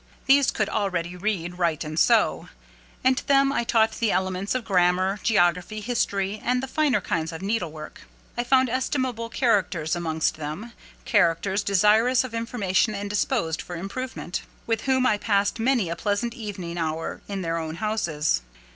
These could already read, write, and sew; and to them I taught the elements of grammar, geography, history, and the finer kinds of needlework. I found estimable characters amongst them—characters desirous of information and disposed for improvement—with whom I passed many a pleasant evening hour in their own homes.